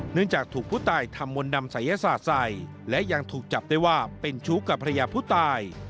จากถูกผู้ตายทำมนต์ดำศัยศาสตร์ใส่และยังถูกจับได้ว่าเป็นชู้กับภรรยาผู้ตาย